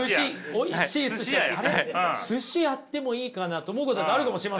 おいしいすしすしやってもいいかなと思うことがあるかもしれませんよね。